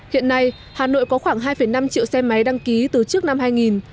hiện nay hà nội có khoảng hai năm triệu xe máy đăng ký từ trước năm hai nghìn